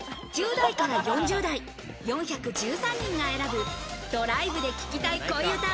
１０代から４０代、４１３人が選ぶドライブで聴きたい恋うた。